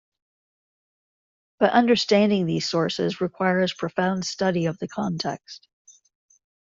But understanding these sources requires profound study of the context.